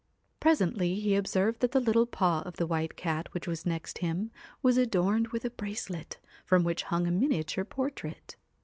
Presently he observed that the little paw of the White Cat which was next him was adorned with a bracelet from which hung a miniature portrait.